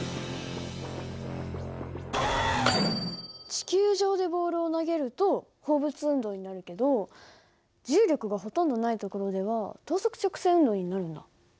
地球上でボールを投げると放物運動になるけど重力がほとんどない所では等速直運動になるんだ。